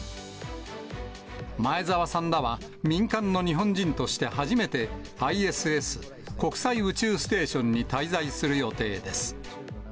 前澤さんらは、民間の日本人として初めてＩＳＳ・国際宇宙ステーションに滞在する予定です。